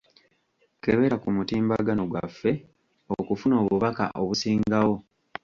Kebera ku mutimbagano gwaffe okufuna obubaka obusingawo.